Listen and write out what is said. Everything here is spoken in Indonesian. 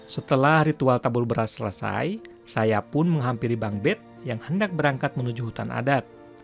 setelah ritual tabul beras selesai saya pun menghampiri bank bed yang hendak berangkat menuju hutan adat